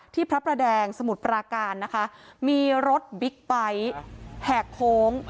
พระประแดงสมุทรปราการนะคะมีรถบิ๊กไบท์แหกโค้ง